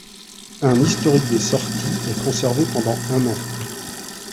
Un historique des sorties est conservé pendant un an.